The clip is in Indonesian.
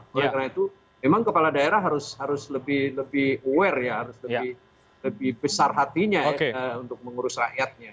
oleh karena itu memang kepala daerah harus lebih aware ya harus lebih besar hatinya ya untuk mengurus rakyatnya